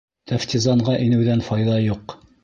Тәфтизанға инеүҙән файҙа юҡ.